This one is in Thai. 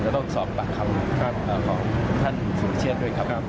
ผมจะต้องสอบปากคำของท่านศูนย์เชียรด้วยครับ